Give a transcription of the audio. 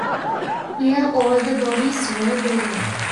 Here all the bodies were buried.